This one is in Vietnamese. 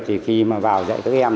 thì khi vào dạy các em